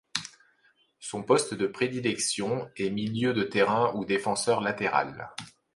Son poste de prédilection est milieu de terrain ou défenseur latéral.